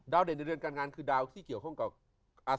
เด่นในเรือนการงานคือดาวที่เกี่ยวข้องกับ